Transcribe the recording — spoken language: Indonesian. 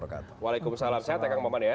waalaikumsalam sehat ya kang maman ya